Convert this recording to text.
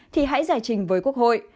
thì hãy giải trình với quốc hội